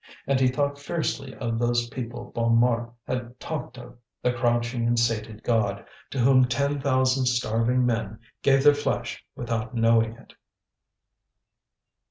And he thought fiercely of those people Bonnemort had talked of, the crouching and sated god, to whom ten thousand starving men gave their flesh without knowing it.